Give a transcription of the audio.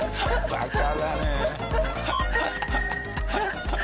バカだね。